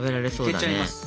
いけちゃいます